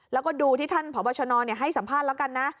แล้วก็ดูที่ท่านพบชนให้สัมภาษณ์แล้วกันนะ